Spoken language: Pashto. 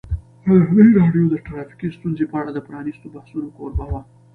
ازادي راډیو د ټرافیکي ستونزې په اړه د پرانیستو بحثونو کوربه وه.